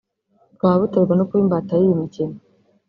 bwaba buterwa no kuba imbata y’iyi mikino